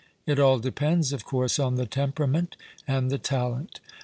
It all depends, of course, on the temperament and the talent.